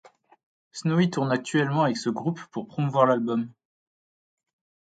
Snowy tourne actuellement avec ce groupe pour promouvoir l'album.